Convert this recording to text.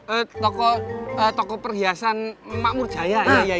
eh toko eh toko perhiasan makmur jaya iya iya